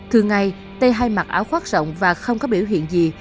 thường ngày tê hay mặc áo khoác rộng và không có biểu hiện gì